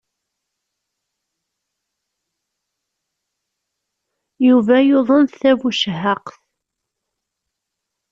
Yuba yuḍen tabucehhaqt.